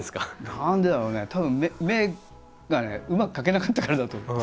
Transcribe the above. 何でだろうねたぶん目がねうまく描けなかったからだと。